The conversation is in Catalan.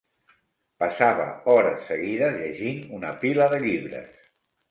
Passava hores seguides llegint una pila de llibres